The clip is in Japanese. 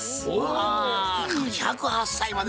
あ１０８歳まで。